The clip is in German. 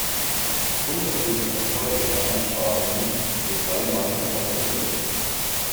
Grund dafür sind erforderliche Einsparungen des Rhein-Main-Verkehrsverbundes.